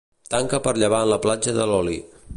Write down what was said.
Tanca per llevant la Platja de l'Oli.